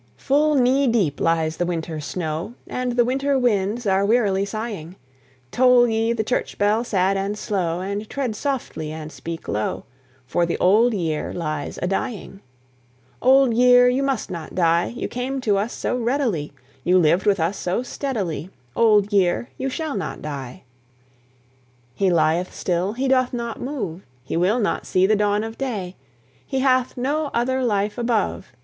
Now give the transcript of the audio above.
Full knee deep lies the winter snow, And the winter winds are wearily sighing: Toll ye the church bell sad and slow, And tread softly and speak low, For the old year lies a dying. Old year, you must not die; You came to us so readily, You lived with us so steadily, Old year, you shall not die. He lieth still: he doth not move: He will not see the dawn of day. He hath no other life above.